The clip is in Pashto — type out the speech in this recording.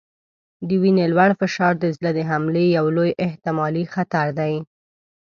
د وینې لوړ فشار د زړه د حملې یو لوی احتمالي خطر دی.